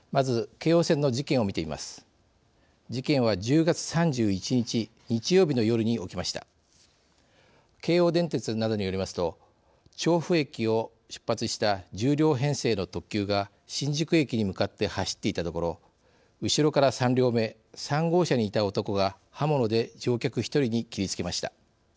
京王電鉄などによりますと調布駅を出発した１０両編成の特急が新宿駅に向かって走っていたところ後ろから３両目３号車にいた男が刃物で乗客１人に切りつけました。